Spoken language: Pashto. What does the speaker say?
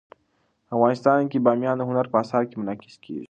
افغانستان کې بامیان د هنر په اثار کې منعکس کېږي.